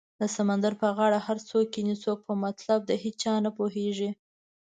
د سمندر په غاړه هر څوک کینې څوک په مطلب د هیچا نه پوهیږې